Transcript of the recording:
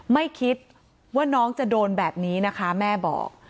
ไม่คิดว่าน้องจะโดนแบบนี้นะคะแม่บอก